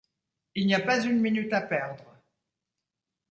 Il n'y a pas une minute à perdre.